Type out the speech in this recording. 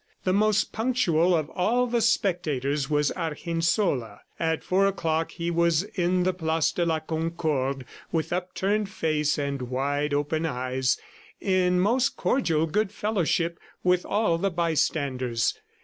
The most punctual of all the spectators was Argensola. At four o'clock he was in the place de la Concorde with upturned face and wide open eyes, in most cordial good fellowship with all the bystanders.